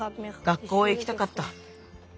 学校へいきたかった。